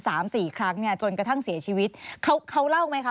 สามสี่ครั้งเนี่ยจนกระทั่งเสียชีวิตเขาเขาเล่าไหมคะ